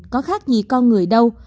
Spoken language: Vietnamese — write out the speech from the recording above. có khác gì con người đâu